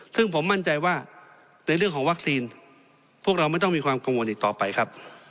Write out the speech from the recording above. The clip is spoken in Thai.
ซึ่งผมมั่นใจว่าในเรื่องของวัคซีนพวกเราไม่ต้องมีความกังวลอีกต่อไปครับ